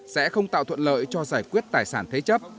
sẽ không tạo thuận lợi cho giải quyết tài sản thế chấp